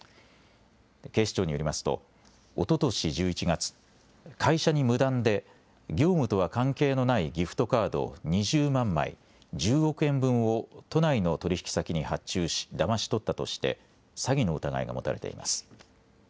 警視庁によりますとおととし１１月、会社に無断で業務とは関係のないギフトカード２０万枚、１０億円分を都内の取引先に発注しだまし取ったとして詐欺の疑いが持たれています。